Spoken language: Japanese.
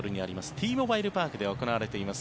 Ｔモバイル・パークで行われています